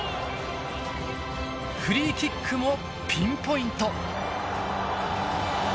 フリーキックもピンポイント。